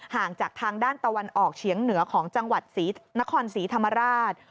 ห่างจากทางด้านตะวันออกเฉียงเหนือของจังหวัดศรีนครศรีธรรมราช